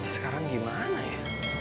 sekarang gimana ya